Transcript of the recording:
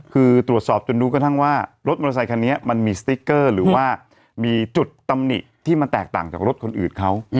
คือตรวจสอบจนรู้กระทั่งว่ารถมอเตอร์ไซคันนี้มันมีสติ๊กเกอร์หรือว่ามีจุดตำหนิที่มันแตกต่างจากรถคนอื่นเขา